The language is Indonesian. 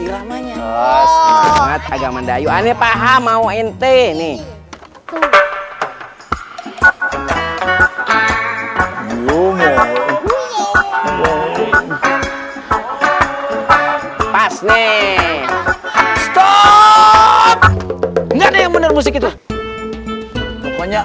semangat agak mendayu aneh paham mau inti nih pas nih stop nggak ada yang bener musik itu pokoknya